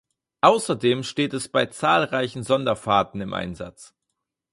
Ausserdem steht es bei zahlreichen Sonderfahrten im Einsatz.